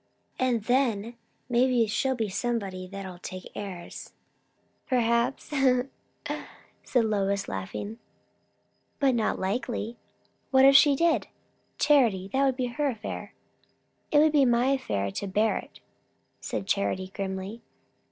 "And then, maybe she'll be somebody that'll take airs." "Perhaps," said Lois, laughing; "but not likely. What if she did, Charity? That would be her affair." "It would be my affair to bear it," said Charity grimly.